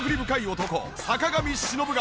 男坂上忍が。